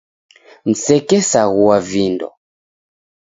Msekesaghua vindo.